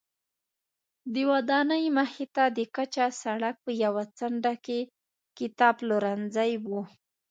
د ودانۍ مخې ته د کچه سړک په یوه څنډه کې کتابپلورځی و.